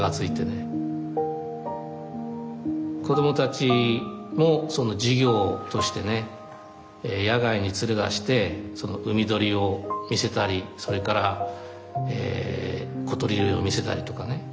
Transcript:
子供たちも授業としてね野外に連れ出して海鳥を見せたりそれから小鳥類を見せたりとかね。